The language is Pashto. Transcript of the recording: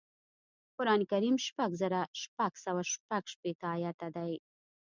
قران کریم شپږ زره شپږ سوه شپږشپېته ایاته دی